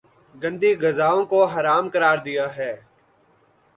گندی غذاؤں کو حرام قراردیا ہے